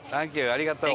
ありがとう。